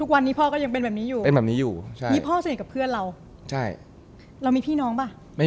พี่เริ่มมาเป็นอย่างงี้พ่อเป็นอย่างงี้มาก่อนใช่คนเพื่อนทำแล้วบอกอ๋อกูรู้แล้วทำไมเป็นอย่างงี้